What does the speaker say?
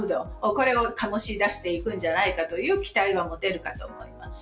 これを醸し出していくんじゃないかという期待は持てるかと思います。